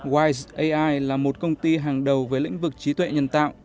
wise ai là một công ty hàng đầu với lĩnh vực trí tuệ nhân tạo